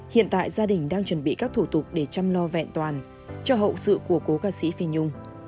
hiện tại gia đình đang chuẩn bị các thủ tục để chăm lo vẹn toàn cho hậu sự của cố ca sĩ phi nhung